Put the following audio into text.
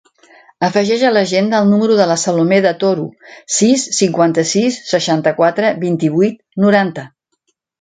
Afegeix a l'agenda el número de la Salomé De Toro: sis, cinquanta-sis, seixanta-quatre, vint-i-vuit, noranta.